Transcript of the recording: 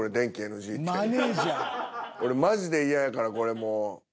俺マジで嫌やからこれもう。